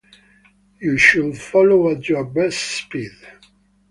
You should follow at your best speed.